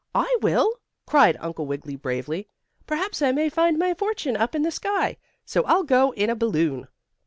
"I will!" cried Uncle Wiggily bravely. "Perhaps I may find my fortune up in the sky, so I'll go in a balloon."